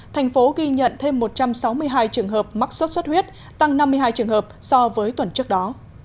thành phố ghi nhận thêm một trăm sáu mươi hai trường hợp mắc sốt xuất huyết tăng năm mươi hai trường hợp so với tuần trước đó